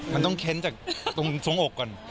มันต้องเค้นจากตรงสวงอกก่อน